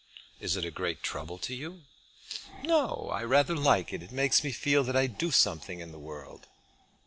"Is it a great trouble to you?" "No, I rather like it. It makes me feel that I do something in the world."